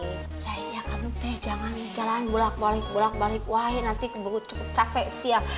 ya iya kamu teh jangan jalan bolak balik bolak balik wah nanti gue cukup capek siang